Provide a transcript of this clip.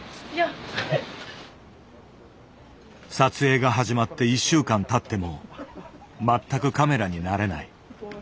撮影が始まって１週間たっても全くカメラに慣れない。